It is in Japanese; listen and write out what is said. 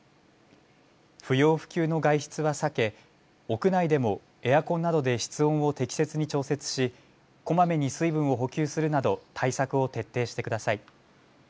不要不急の外出は避け屋内でもエアコンなどで室温を適切に調節し、こまめに水分を補給するなど対策を徹底してください。